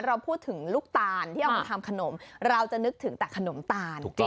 เราพูดถึงลูกตาลที่เอามาทำขนมเราจะนึกถึงแต่ขนมตาล